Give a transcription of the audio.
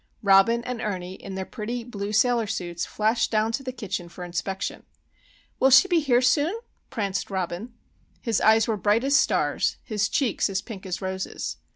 Robin and Ernie in their pretty blue sailor suits flashed down to the kitchen for inspection. "Will she be here soon?" pranced Robin. His eyes were bright as stars, his cheeks as pink as roses.